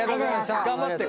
頑張って！